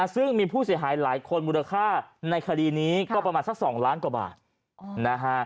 ซึ่งมีผู้เสียหายหลายคนมูลค่าในคดีนี้ก็ประมาณสัก๒ล้านกว่าบาทนะฮะ